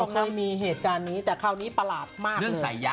เคยมีเหตุการณ์นี้แต่คราวนี้ประหลาดมากเลย